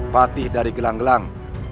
patih dari gelang gelang